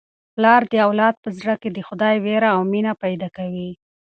پلار د اولاد په زړه کي د خدای وېره او مینه پیدا کوي.